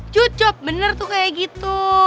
cocok bener tuh kayak gitu